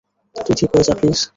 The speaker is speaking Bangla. তুই ঠিক হয়ে যা, প্লিজ।